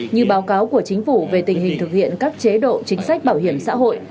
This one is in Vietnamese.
như báo cáo của chính phủ về tình hình thực hiện các chế độ chính sách bảo hiểm xã hội